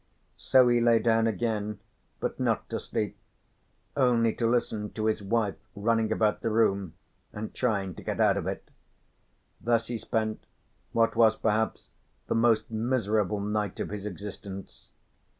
So he lay down again, but not to sleep, only to listen to his wife running about the room and trying to get out of it. Thus he spent what was perhaps the most miserable night of his existence.